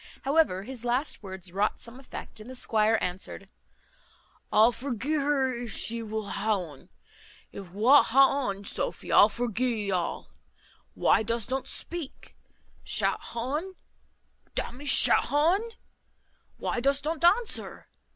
However, his last words wrought some effect, and the squire answered, "I'll forgee her if she wull ha un. If wot ha un, Sophy, I'll forgee thee all. Why dost unt speak? Shat ha un! d n me, shat ha un! Why dost unt answer?